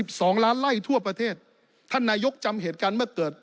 ท่านนายกภูมิธรรมยิ่งรักดูท่านนายกภูมิธรรมจำเหตุการณ์เมื่อเกิด